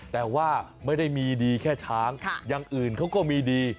แต่ว่าไม่ได้มีดีแค่ช้างอย่างอื่นเขาก็มีดี